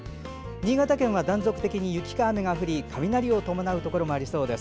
新潟県は断続的に雪か雨が降り雷を伴うところもありそうです。